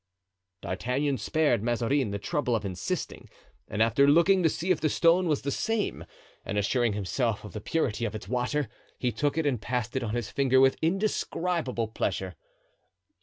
D'Artagnan spared Mazarin the trouble of insisting, and after looking to see if the stone was the same and assuring himself of the purity of its water, he took it and passed it on his finger with indescribable pleasure.